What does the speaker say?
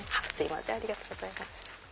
ありがとうございます。